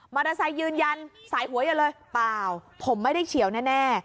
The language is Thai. ไซค์ยืนยันสายหัวอย่าเลยเปล่าผมไม่ได้เฉียวแน่